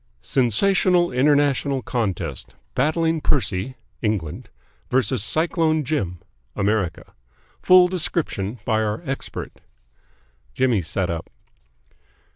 SENSATIONAL INTERNATIONAL CONTEST BATTLING PERCY (England) v CYCLONE JIM (America) FULL DESCRIPTION BY OUR EXPERT Jimmy sat up.